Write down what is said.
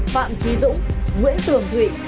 phạm trí dũng nguyễn tường thụy